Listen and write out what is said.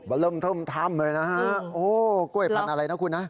เริ่มเทิมถ้ำเลยนะฮะโอ้กล้วยพันธุ์อะไรนะคุณนะ